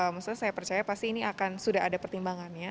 maksudnya saya percaya pasti ini akan sudah ada pertimbangannya